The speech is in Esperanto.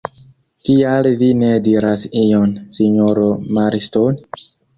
Kial vi ne diras ion, sinjoro Marston?